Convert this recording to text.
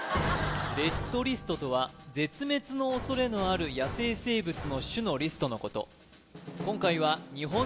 レッドリストとは絶滅のおそれのある野生生物の種のリストのこと